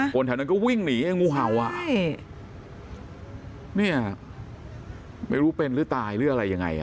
คนแถวนั้นก็วิ่งหนีไงงูเห่าอ่ะใช่เนี่ยไม่รู้เป็นหรือตายหรืออะไรยังไงอ่ะ